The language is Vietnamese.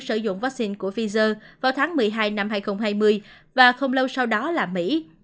sử dụng vaccine của pfizer vào tháng một mươi hai năm hai nghìn hai mươi và không lâu sau đó là mỹ